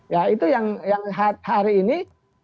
ya itu yang hari ini